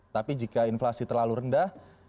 tapi jika inflasi terlalu rendah